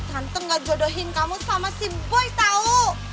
tante gak jodohin kamu sama si boy tau